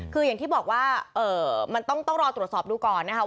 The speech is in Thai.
คืออย่างที่บอกว่ามันต้องรอตรวจสอบดูก่อนนะครับ